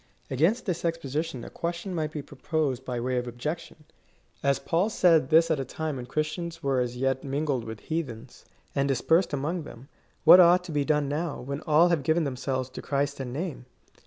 Against this exposition a question might he proposed by way of objection :" As Paul said this at a time when Chris tians were as yet mingled with heathens, and dispersed among them, what ought to be done now, when all have given themselves to Christ in name